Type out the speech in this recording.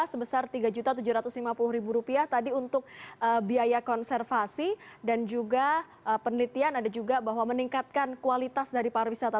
sebesar rp tiga tujuh ratus lima puluh tadi untuk biaya konservasi dan juga penelitian ada juga bahwa meningkatkan kualitas dari pariwisata